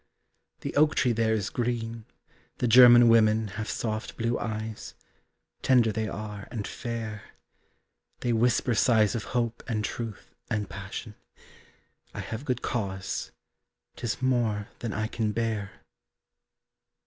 The oak tree there is green, the German women Have soft blue eyes tender they are and fair. They whisper sighs of hope and truth and passion. I have good cause 'tis more than I can bear.